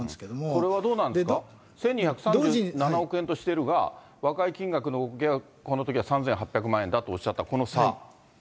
これはどうなんですか、１２３７億円としているが、和解金額はこのときは３８００万円だとおっしゃった、この差。